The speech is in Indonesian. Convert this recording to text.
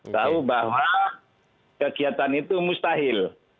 tahu bahwa kegiatan itu mustahil